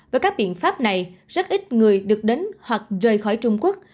với các biện pháp này rất ít người được đến hoặc rời khỏi trung quốc